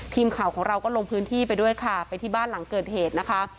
ทีมข่าวของเราก็ลงพื้นที่ไปด้วยค่ะไปที่บ้านหลังเกิดเหตุนะคะ